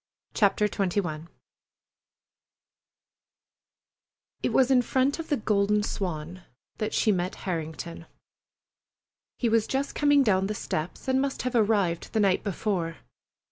CHAPTER XXI It was in front of the Golden Swan that she met Harrington. He was just coming down the steps, and must have arrived the night before.